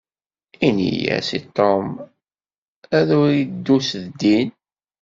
Ini-as i Ṭum ad ur iddu s dinn.